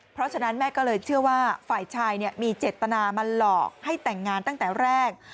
เพราะฉะนั้นแม่ก็เลยเชื่อว่าฝ่ายชายมีเจตนามาหลอกให้แต่งงานตั้งแต่แรก